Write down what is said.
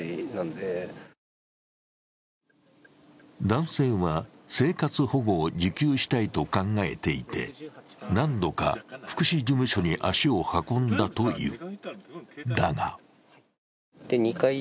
男性は生活保護を受給したいと考えていて、何度か福祉事務所に足を運んだという。